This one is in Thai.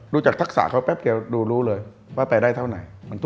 ดูจากทักษะเขาแป๊บเดียวดูรู้เลยว่าไปได้เท่าไหน